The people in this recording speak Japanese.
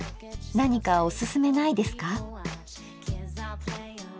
何かおすすめないですか？